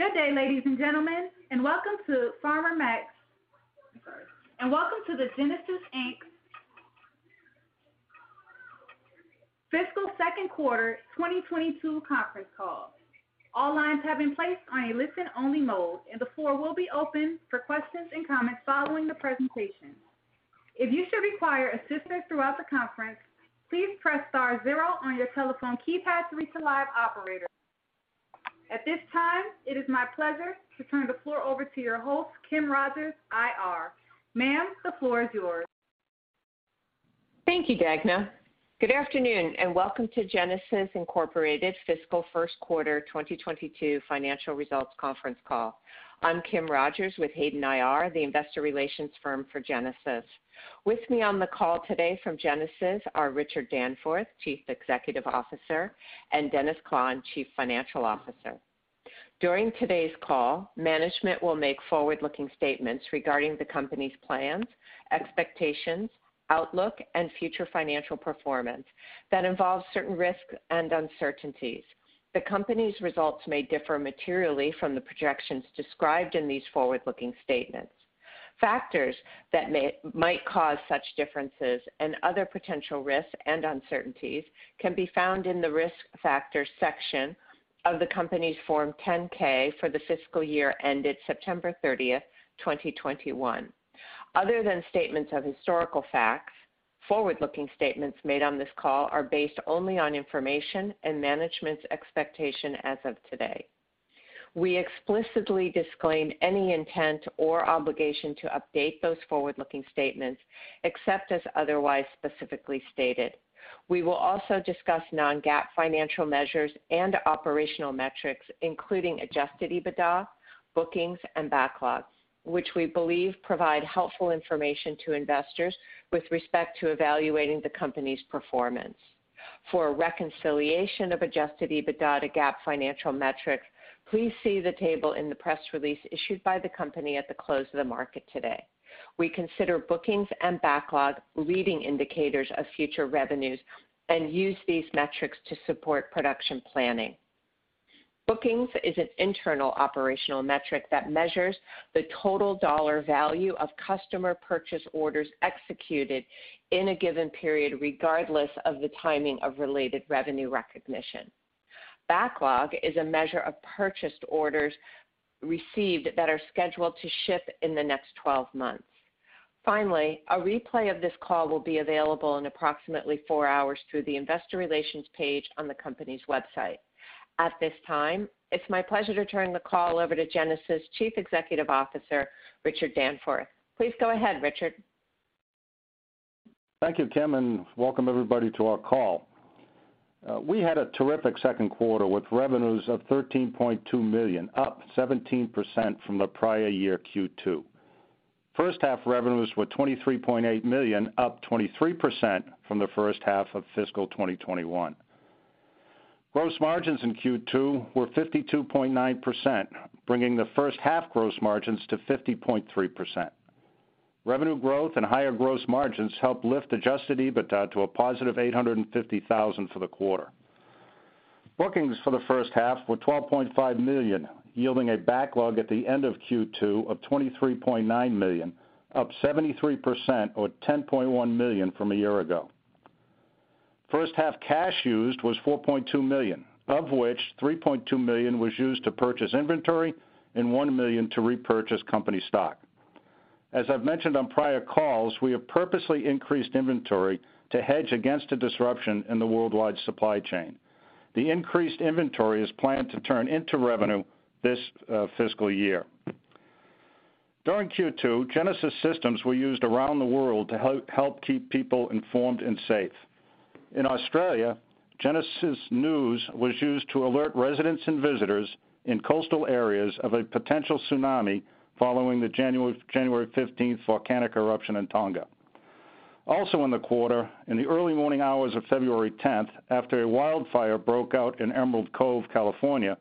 Good day, ladies and gentlemen, and welcome to the Genasys Inc. Fiscal second quarter 2022 conference call. All lines have been placed on a listen-only mode, and the floor will be open for questions and comments following the presentation. If you should require assistance throughout the conference, please press star zero on your telephone keypad to reach a live operator. At this time, it is my pleasure to turn the floor over to your host, Kim Rogers, IR. Ma'am, the floor is yours. Thank you, Dagna. Good afternoon, and welcome to Genasys Inc. fiscal first quarter 2022 financial results conference call. I'm Kim Rogers with Hayden IR, the investor relations firm for Genasys. With me on the call today from Genasys are Richard Danforth, Chief Executive Officer, and Dennis Klahn, Chief Financial Officer. During today's call, management will make forward-looking statements regarding the company's plans, expectations, outlook, and future financial performance that involves certain risks and uncertainties. The company's results may differ materially from the projections described in these forward-looking statements. Factors that might cause such differences and other potential risks and uncertainties can be found in the Risk Factors section of the company's Form 10-K for the fiscal year ended September 30th, 2021. Other than statements of historical facts, forward-looking statements made on this call are based only on information and management's expectation as of today. We explicitly disclaim any intent or obligation to update those forward-looking statements, except as otherwise specifically stated. We will also discuss non-GAAP financial measures and operational metrics, including adjusted EBITDA, bookings, and backlogs, which we believe provide helpful information to investors with respect to evaluating the company's performance. For a reconciliation of adjusted EBITDA to GAAP financial metrics, please see the table in the press release issued by the company at the close of the market today. We consider bookings and backlog leading indicators of future revenues and use these metrics to support production planning. Bookings is an internal operational metric that measures the total dollar value of customer purchase orders executed in a given period, regardless of the timing of related revenue recognition. Backlog is a measure of purchased orders received that are scheduled to ship in the next 12 months. Finally, a replay of this call will be available in approximately four hours through the investor relations page on the company's website. At this time, it's my pleasure to turn the call over to Genasys Chief Executive Officer, Richard Danforth. Please go ahead, Richard. Thank you, Kim, and welcome everybody to our call. We had a terrific second quarter with revenues of $13.2 million, up 17% from the prior year Q2. First half revenues were $23.8 million, up 23% from the first half of fiscal 2021. Gross margins in Q2 were 52.9%, bringing the first half gross margins to 50.3%. Revenue growth and higher gross margins helped lift adjusted EBITDA to a positive $850,000 for the quarter. Bookings for the first half were $12.5 million, yielding a backlog at the end of Q2 of $23.9 million, up 73% or $10.1 million from a year ago. First half cash used was $4.2 million, of which $3.2 million was used to purchase inventory and $1 million to repurchase company stock. As I've mentioned on prior calls, we have purposely increased inventory to hedge against the disruption in the worldwide supply chain. The increased inventory is planned to turn into revenue this fiscal year. During Q2, Genasys systems were used around the world to help keep people informed and safe. In Australia, Genasys NEWS was used to alert residents and visitors in coastal areas of a potential tsunami following the January fifteenth volcanic eruption in Tonga. Also in the quarter, in the early morning hours of February 10th, after a wildfire broke out in Emerald Bay, California,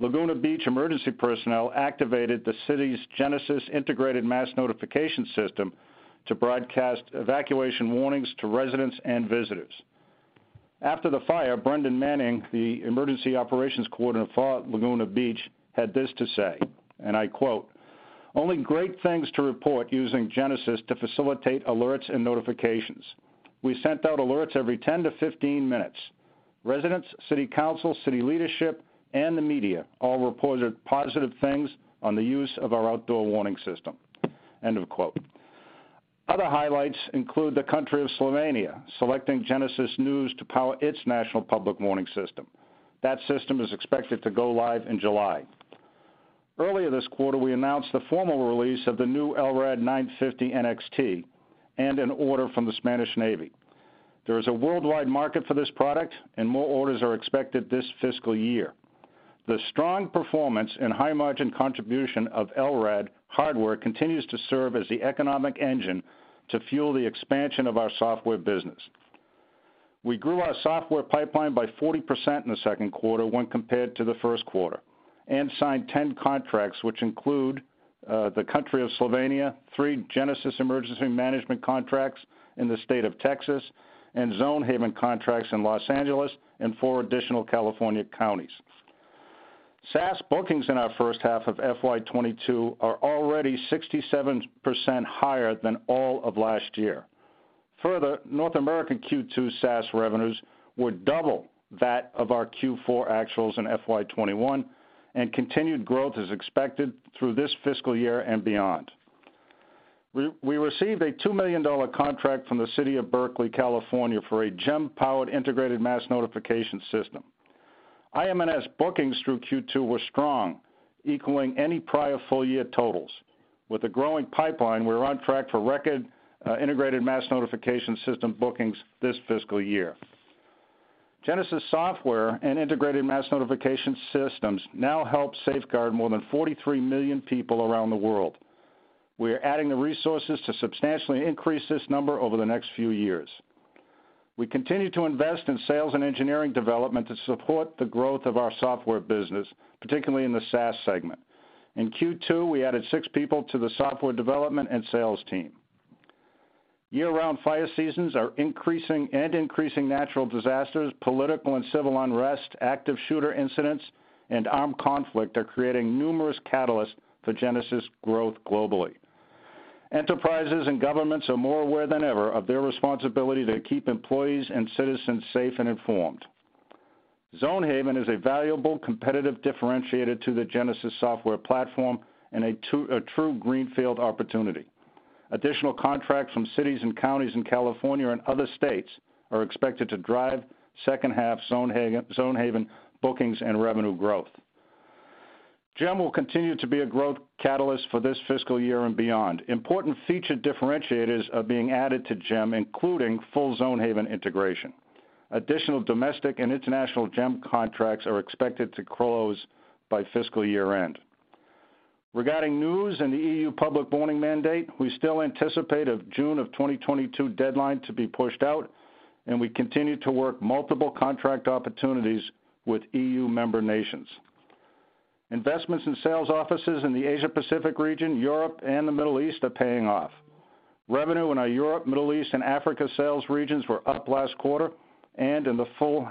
Laguna Beach emergency personnel activated the city's Genasys integrated mass notification system to broadcast evacuation warnings to residents and visitors. After the fire, Brendan Manning, the Emergency Operations Coordinator for Laguna Beach, had this to say, and I quote, "Only great things to report using Genasys to facilitate alerts and notifications. We sent out alerts every 10 minutes-15 minutes. Residents, city council, city leadership, and the media all reported positive things on the use of our outdoor warning system." End of quote. Other highlights include the country of Slovenia selecting Genasys NEWS to power its national public warning system. That system is expected to go live in July. Earlier this quarter, we announced the formal release of the new LRAD 950NXT and an order from the Spanish Navy. There is a worldwide market for this product, and more orders are expected this fiscal year. The strong performance and high margin contribution of LRAD Hardware continues to serve as the economic engine to fuel the expansion of our software business. We grew our software pipeline by 40% in the second quarter when compared to the first quarter and signed 10 contracts which include the country of Slovenia, three Genasys Emergency Management contracts in the state of Texas, and Zonehaven contracts in Los Angeles and four additional California counties. SaaS bookings in our first half of FY 2022 are already 67% higher than all of last year. Further, North American Q2 SaaS revenues were double that of our Q4 actuals in FY 2021, and continued growth is expected through this fiscal year and beyond. We received a $2 million contract from the City of Berkeley, California, for a GEM-powered integrated mass notification system. IMNS bookings through Q2 were strong, equaling any prior full year totals. With a growing pipeline, we're on track for record integrated mass notification system bookings this fiscal year. Genasys software and integrated mass notification systems now help safeguard more than 43 million people around the world. We are adding the resources to substantially increase this number over the next few years. We continue to invest in sales and engineering development to support the growth of our software business, particularly in the SaaS segment. In Q2, we added six people to the software development and sales team. Year-round fire seasons are increasing, and increasing natural disasters, political and civil unrest, active shooter incidents, and armed conflict are creating numerous catalysts for Genasys growth globally. Enterprises and governments are more aware than ever of their responsibility to keep employees and citizens safe and informed. Zonehaven is a valuable competitive differentiator to the Genasys software platform and a true greenfield opportunity. Additional contracts from cities and counties in California and other states are expected to drive second half Zonehaven bookings and revenue growth. GEM will continue to be a growth catalyst for this fiscal year and beyond. Important feature differentiators are being added to GEM, including full Zonehaven integration. Additional domestic and international GEM contracts are expected to close by fiscal year-end. Regarding NEWS and the EU public warning mandate, we still anticipate a June of 2022 deadline to be pushed out, and we continue to work multiple contract opportunities with EU member nations. Investments in sales offices in the Asia Pacific region, Europe, and the Middle East are paying off. Revenue in our Europe, Middle East, and Africa sales regions were up last quarter and in the full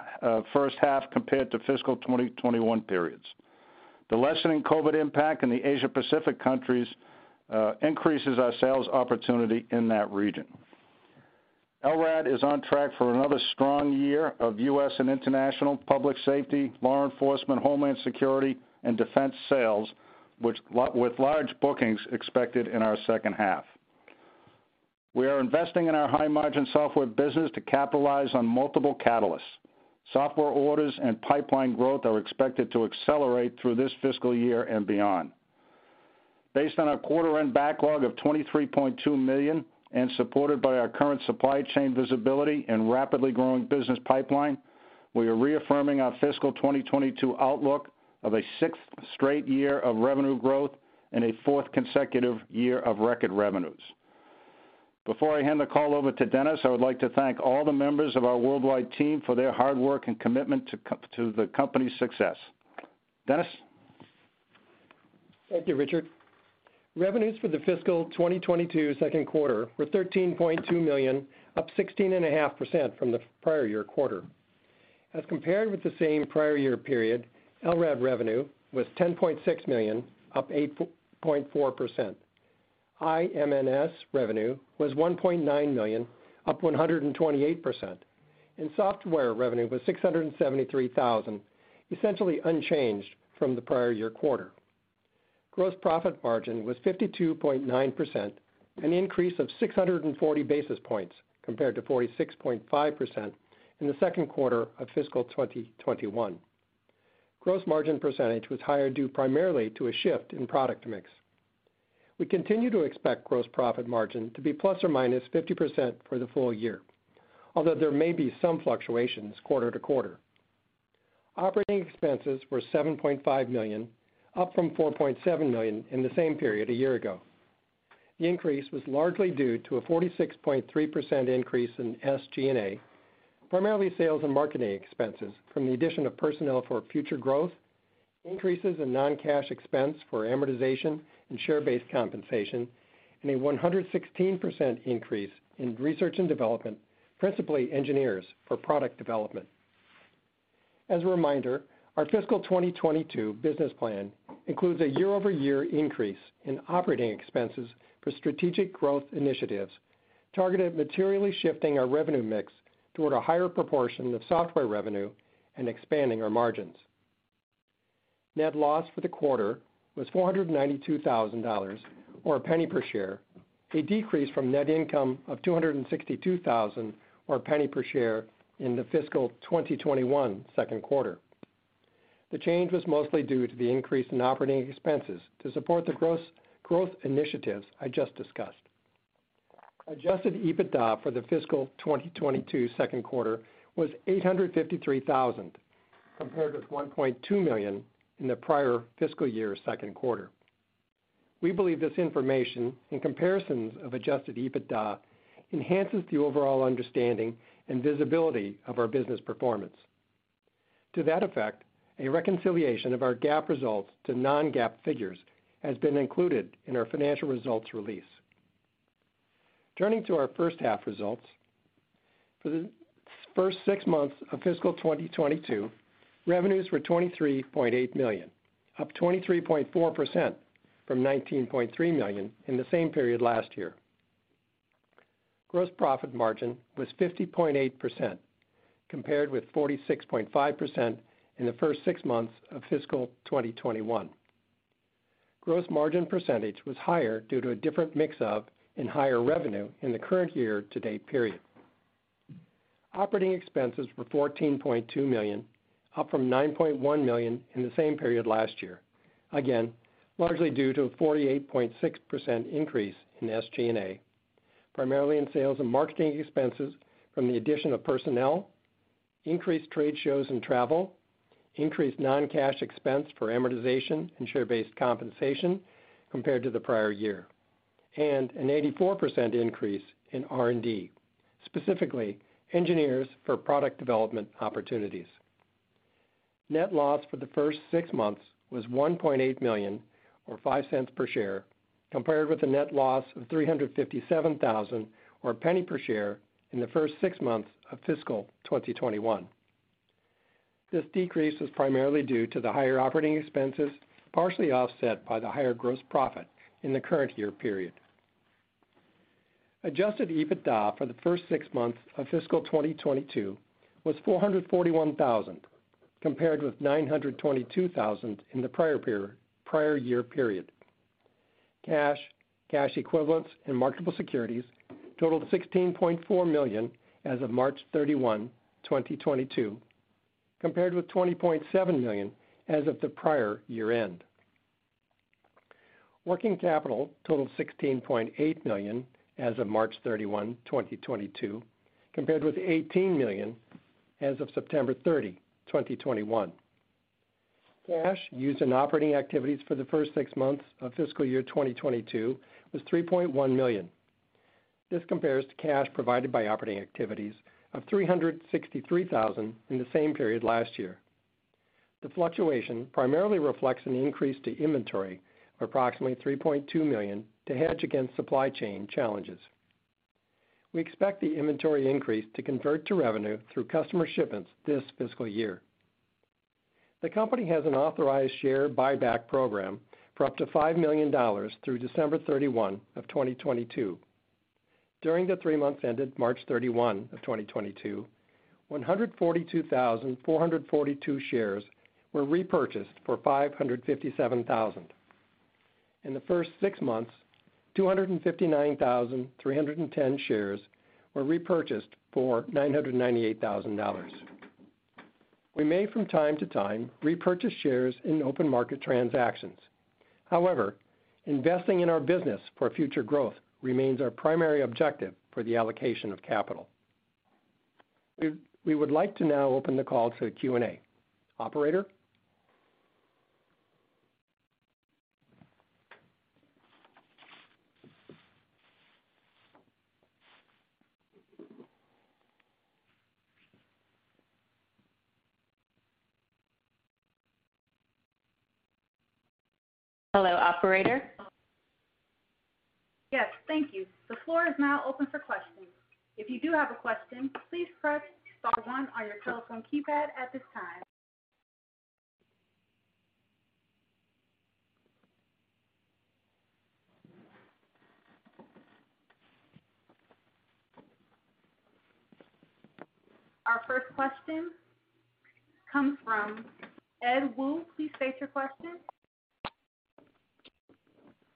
first half compared to fiscal 2021 periods. The lessening COVID impact in the Asia Pacific countries increases our sales opportunity in that region. LRAD is on track for another strong year of U.S. And international public safety, law enforcement, homeland security, and defense sales, which, with large bookings expected in our second half. We are investing in our high-margin software business to capitalize on multiple catalysts. Software orders and pipeline growth are expected to accelerate through this fiscal year and beyond. Based on our quarter end backlog of $23.2 million, and supported by our current supply chain visibility and rapidly growing business pipeline, we are reaffirming our fiscal 2022 outlook of a sixth straight year of revenue growth and a fourth consecutive year of record revenues. Before I hand the call over to Dennis, I would like to thank all the members of our worldwide team for their hard work and commitment to the company's success. Dennis? Thank you, Richard. Revenues for the fiscal 2022 second quarter were $13.2 million, up 16.5% from the prior year quarter. As compared with the same prior year period, LRAD revenue was $10.6 million, up 8.4%. IMNS revenue was $1.9 million, up 128%. Software revenue was $673,000, essentially unchanged from the prior year quarter. Gross profit margin was 52.9%, an increase of 640 basis points compared to 46.5% in the second quarter of fiscal 2021. Gross margin percentage was higher due primarily to a shift in product mix. We continue to expect gross profit margin to be ±50% for the full year, although there may be some fluctuations quarter-to-quarter. Operating expenses were $7.5 million, up from $4.7 million in the same period a year ago. The increase was largely due to a 46.3% increase in SG&A, primarily sales and marketing expenses from the addition of personnel for future growth, increases in non-cash expense for amortization and share-based compensation, and a 116% increase in research and development, principally engineers for product development. As a reminder, our fiscal 2022 business plan includes a year-over-year increase in operating expenses for strategic growth initiatives targeted at materially shifting our revenue mix toward a higher proportion of software revenue and expanding our margins. Net loss for the quarter was $492,000 or $0.01 per share, a decrease from net income of $262,000 or $0.01 per share in the fiscal 2021 second quarter. The change was mostly due to the increase in operating expenses to support the growth initiatives I just discussed. Adjusted EBITDA for the fiscal 2022 second quarter was $853,000, compared with $1.2 million in the prior fiscal year's second quarter. We believe this information and comparisons of adjusted EBITDA enhances the overall understanding and visibility of our business performance. To that effect, a reconciliation of our GAAP results to non-GAAP figures has been included in our financial results release. Turning to our first half results. For the first six months of fiscal 2022, revenues were $23.8 million, up 23.4% from $19.3 million in the same period last year. Gross profit margin was 50.8% compared with 46.5% in the first six months of fiscal 2021. Gross margin percentage was higher due to a different mix of and higher revenue in the current year-to-date period. Operating expenses were $14.2 million, up from $9.1 million in the same period last year. Again, largely due to a 48.6% increase in SG&A, primarily in sales and marketing expenses from the addition of personnel, increased trade shows and travel, increased non-cash expense for amortization and share-based compensation compared to the prior year, and an 84% increase in R&D, specifically engineers for product development opportunities. Net loss for the first six months was $1.8 million or $0.05 per share, compared with a net loss of $357,000 or $0.01 per share in the first six months of fiscal 2021. This decrease was primarily due to the higher operating expenses, partially offset by the higher gross profit in the current year period. Adjusted EBITDA for the first six months of fiscal 2022 was $441,000, compared with $922,000 in the prior period, prior year period. Cash, cash equivalents, and marketable securities totaled $16.4 million as of March 31, 2022, compared with $20.7 million as of the prior year-end. Working capital totaled $16.8 million as of March 31, 2022, compared with $18 million as of September 30, 2021. Cash used in operating activities for the first six months of fiscal year 2022 was $3.1 million. This compares to cash provided by operating activities of $363,000 in the same period last year. The fluctuation primarily reflects an increase to inventory of approximately $3.2 million to hedge against supply chain challenges. We expect the inventory increase to convert to revenue through customer shipments this fiscal year. The company has an authorized share buyback program for up to $5 million through December 31, 2022. During the three months ended March 31, 2022, 142,442 shares were repurchased for $557,000. In the first six months, 259,310 shares were repurchased for $998,000. We may from time to time repurchase shares in open market transactions. However, investing in our business for future growth remains our primary objective for the allocation of capital. We would like to now open the call to Q&A. Operator? Hello, operator. Yes, thank you. The floor is now open for questions. If you do have a question, please press star one on your telephone keypad at this time. Our first question comes from Ed Woo. Please state your question.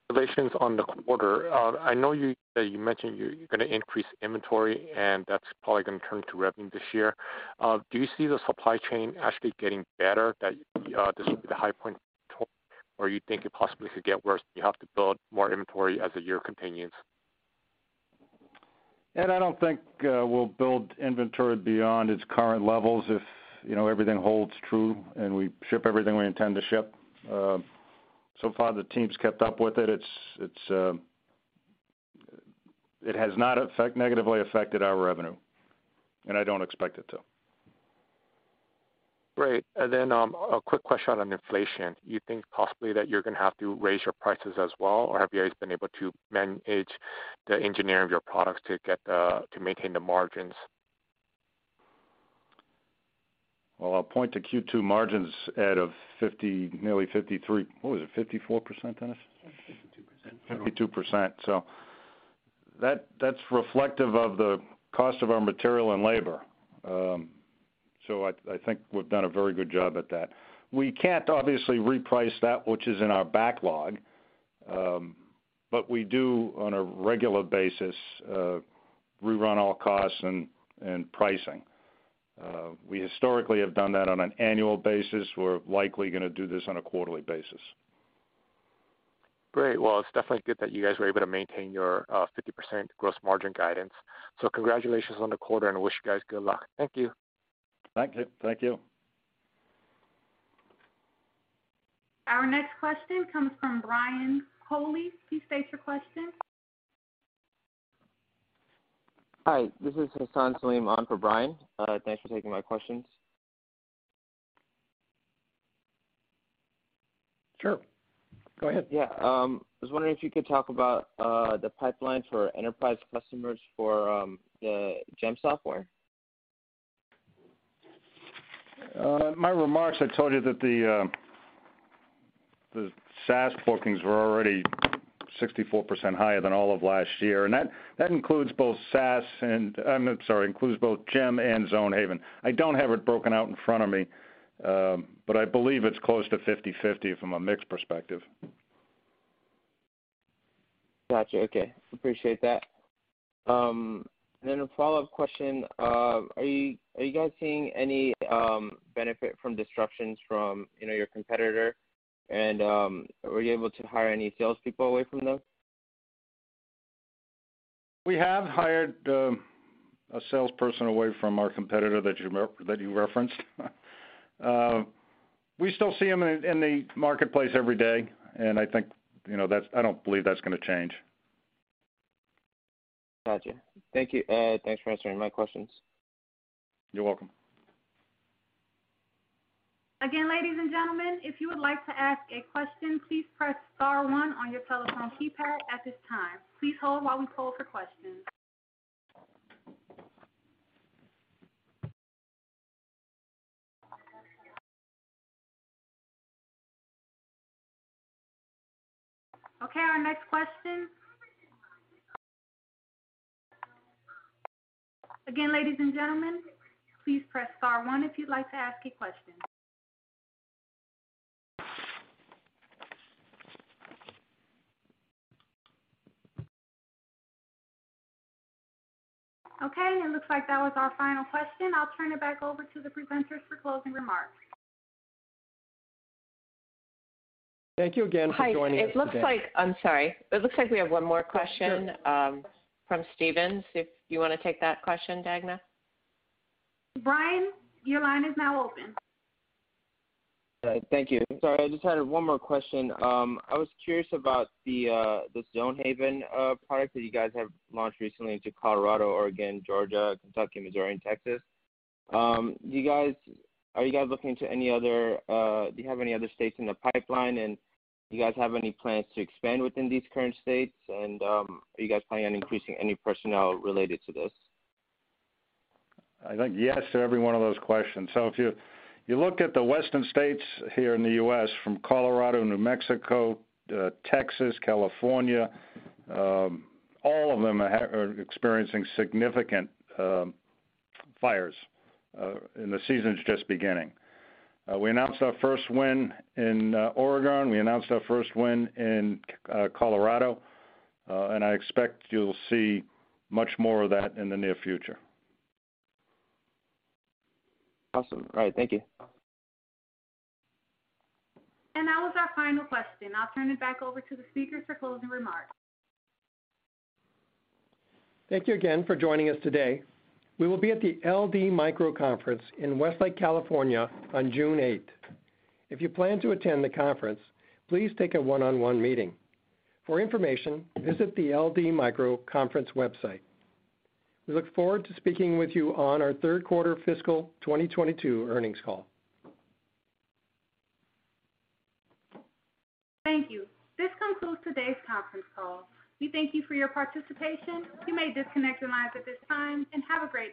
Congratulations on the quarter. I know you mentioned you're gonna increase inventory, and that's probably gonna turn to revenue this year. Do you see the supply chain actually getting better, that this will be the high point or you think it possibly could get worse, and you have to build more inventory as the year continues? Ed, I don't think we'll build inventory beyond its current levels if, you know, everything holds true and we ship everything we intend to ship. So far, the team's kept up with it. It has not negatively affected our revenue, and I don't expect it to. Great. A quick question on inflation. You think possibly that you're gonna have to raise your prices as well, or have you guys been able to manage the engineering of your products to get to maintain the margins? Well, I'll point to Q2 margins, Ed, of 50%, nearly 53%. What was it, 54%, Dennis? 52%. 52%. That's reflective of the cost of our material and labor. I think we've done a very good job at that. We can't obviously reprice that which is in our backlog, but we do on a regular basis, rerun all costs and pricing. We historically have done that on an annual basis. We're likely gonna do this on a quarterly basis. Great. Well, it's definitely good that you guys were able to maintain your 50% gross margin guidance. Congratulations on the quarter, and I wish you guys good luck. Thank you. Thank you. Thank you. Our next question comes from Brian Colley. Please state your question. Hi, this is Hassan Saleem on for Brian. Thanks for taking my questions. Sure. Go ahead. Yeah. I was wondering if you could talk about the pipeline for enterprise customers for the GEM software. My remarks, I told you that the SaaS bookings were already 64% higher than all of last year. That includes both GEM and Zonehaven. I don't have it broken out in front of me, but I believe it's close to 50/50 from a mix perspective. Gotcha. Okay. Appreciate that. A follow-up question. Are you guys seeing any benefit from disruptions from, you know, your competitor? Were you able to hire any salespeople away from them? We have hired a salesperson away from our competitor that you referenced. We still see them in the marketplace every day, and I think, you know, I don't believe that's gonna change. Gotcha. Thank you. Thanks for answering my questions. You're welcome. Again, ladies and gentlemen, if you would like to ask a question, please press star one on your telephone keypad at this time. Please hold while we pull for questions. Okay, our next question. Again, ladies and gentlemen, please press star one if you'd like to ask a question. Okay, it looks like that was our final question. I'll turn it back over to the presenters for closing remarks. Thank you again for joining us today. Hi. It looks like we have one more question. Oh, sure. from Steven. If you wanna take that question, Dagna? Brian, your line is now open. All right. Thank you. I'm sorry. I just had one more question. I was curious about the Zonehaven product that you guys have launched recently into Colorado, Oregon, Georgia, Kentucky, Missouri, and Texas. Do you have any other states in the pipeline? Are you guys planning on expanding within these current states? Are you guys planning on increasing any personnel related to this? I think yes to every one of those questions. If you look at the Western states here in the U.S., from Colorado, New Mexico, Texas, California, all of them are experiencing significant fires, and the season's just beginning. We announced our first win in Oregon. We announced our first win in Colorado. I expect you'll see much more of that in the near future. Awesome. All right, thank you. That was our final question. I'll turn it back over to the speakers for closing remarks. Thank you again for joining us today. We will be at the LD Micro Invitational in Westlake Village, California on June 8. If you plan to attend the conference, please take a one-on-one meeting. For information, visit the LD Micro Invitational website. We look forward to speaking with you on our third quarter fiscal 2022 earnings call. Thank you. This concludes today's conference call. We thank you for your participation. You may disconnect your lines at this time, and have a great day.